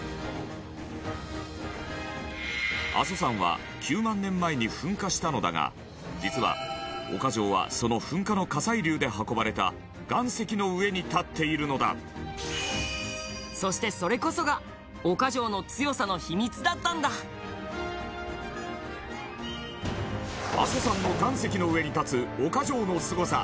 阿蘇山は９万年前に噴火したのだが実は、岡城はその噴火の火砕流で運ばれた岩石の上に立っているのだそして、それこそが岡城の強さの秘密だったんだ阿蘇山の岩石の上に立つ岡城のすごさ